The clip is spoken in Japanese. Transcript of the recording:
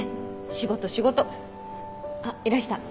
仕事仕事。あっいらした。